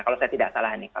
kalau saya tidak salah nih